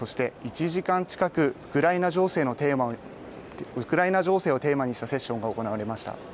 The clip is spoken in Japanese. そして１時間近くウクライナ情勢をテーマにしたセッションが行われました。